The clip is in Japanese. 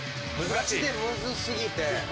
マジでむず過ぎて。